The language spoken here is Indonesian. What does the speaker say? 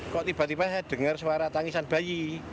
kok tiba tiba saya dengar suara tangisan bayi